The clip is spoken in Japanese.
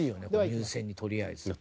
入選にとりあえず。